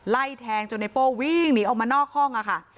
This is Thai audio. ไล่แทงจนไนโป้วิ่งหนีออกมานอกห้องค่ะ